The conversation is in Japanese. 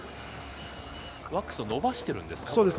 ワックスを伸ばしてるんですか？